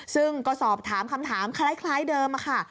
ซึ่งก็สอบถามคำถามคล้ายเดิมค่ะ